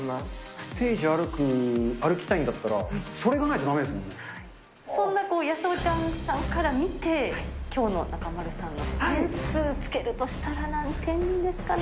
ステージ歩きたいんだったら、そんなやすおちゃんさんから見て、きょうの中丸さんの点数つけるとしたら、何点ですかね？